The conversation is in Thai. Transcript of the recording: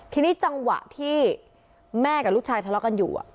ทีนี้จังหวะที่แม่กับลูกชายทะเลาะกันอยู่